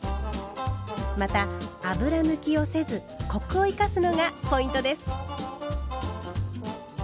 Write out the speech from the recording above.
また油抜きをせずコクを生かすのがポイントです。